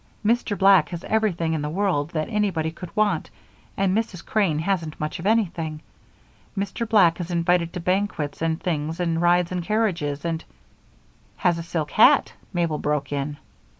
Mr. Black has everything in the world that anybody could want, and Mrs. Crane hasn't much of anything. Mr. Black is invited to banquets and things and rides in carriages and " "Has a silk hat," Mabel broke in.